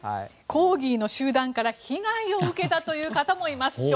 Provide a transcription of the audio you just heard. コーギーの集団から被害を受けたという方もいます。